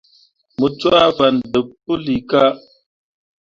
Mu cwaa fan deb puilika.